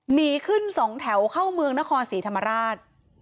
หนีขึ้นสองแถวเข้าเมืองนครศรีธรรมราช